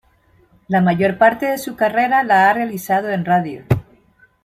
La mayor parte de su carrera la ha realizado en radio.